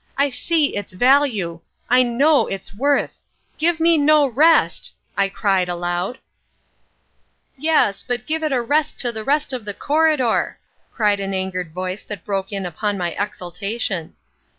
I see its value! I know its worth! Give me no rest," I cried aloud— "Yes, but give a rest to the rest of the corridor!" cried an angered voice that broke in upon my exultation.